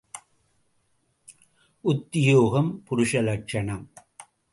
உத்தியோகம் புருஷ லக்ஷணம்.